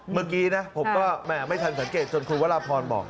เมื่อกี้ผมไม่ทันสังเกตจนคุณวราภอนบอก